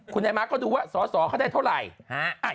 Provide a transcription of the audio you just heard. คุณนายม้าก็ดูว่าสอสอเขาได้เท่าไหร่